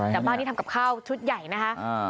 แต่บ้านนี้ทำกับข้าวชุดใหญ่นะคะ